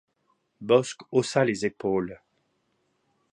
Bosc haussa les épaules.